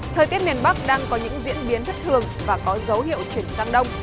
thời tiết miền bắc đang có những diễn biến thất thường và có dấu hiệu chuyển sang đông